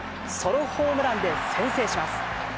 ソロホームランで先制します。